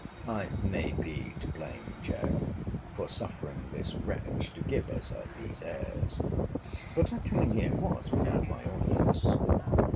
I may be to blame, Jack, for suffering this wretch to give herself these airs; but her coming in was without my orders.